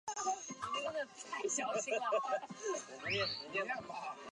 当中包括已结业多年的欢乐天地回归。